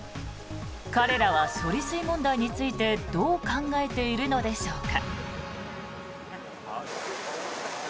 彼らは処理水問題についてどう考えているのでしょうか。